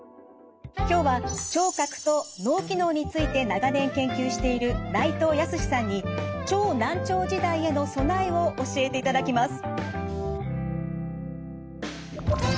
今日は聴覚と脳機能について長年研究している内藤泰さんに超難聴時代への備えを教えていただきます。